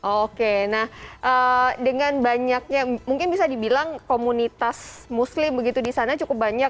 oke nah dengan banyaknya mungkin bisa dibilang komunitas muslim begitu disana cukup banyak